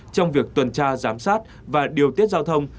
trong việc tuần tra giám sát và điều tiết giao thông